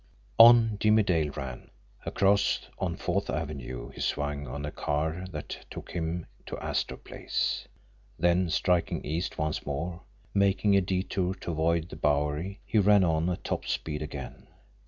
On Jimmie Dale ran. Across on Fourth Avenue he swung on a car that took him to Astor Place. Then striking east once more, making a detour to avoid the Bowery, he ran on at top speed again.